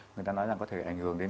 người ta nói rằng có thể ảnh hưởng đến